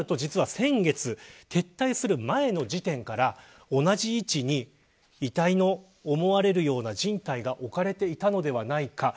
先月、撤退する前の時点から同じ位置に遺体と思われるような人体が置かれていたのではないか。